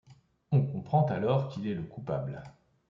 On comprend alors qu’il est le coupable.